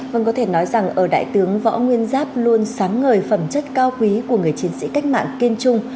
vâng có thể nói rằng ở đại tướng võ nguyên giáp luôn sáng ngời phẩm chất cao quý của người chiến sĩ cách mạng kiên trung